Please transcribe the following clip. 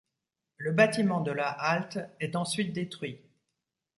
Le bâtiment de la halte est ensuite détruit.